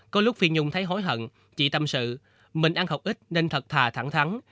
có lúc phi nhung thấy hối hận chị tâm sự mình ăn học ít nên thật thà thẳng thắng